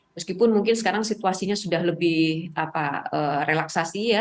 meskipun mungkin sekarang situasinya sudah lebih relaksasi ya